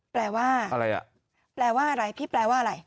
แปลว่าอะไรน่ะ